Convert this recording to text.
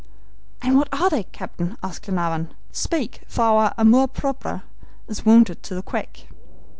"And what are they, captain?" asked Glenarvan. "Speak, for our amour propre is wounded to the quick!"